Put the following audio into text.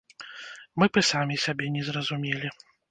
Мы б і самі сябе не зразумелі.